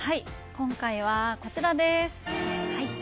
今回はこちらです。